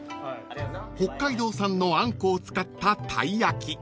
［北海道産のあんこを使ったたい焼き］